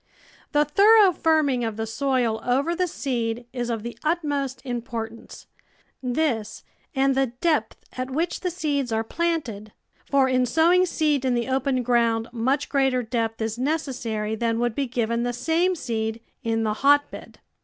The thorough firming of the soil over the seed is of the utmost importance — this and the depth at which the seeds are planted — for in sowing seed in the open ground much greater depth is necessary than would be given the same seed in the hotbed.